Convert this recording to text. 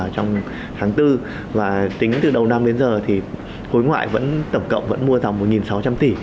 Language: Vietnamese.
trong tháng bốn và tính từ đầu năm đến giờ thì khối ngoại vẫn tổng cộng vẫn mua dòng một sáu trăm linh tỷ